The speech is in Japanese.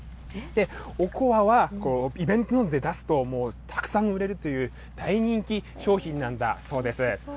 おこわは、イベントなどで出すと、たくさん売れるという大人気商品なんだそうです。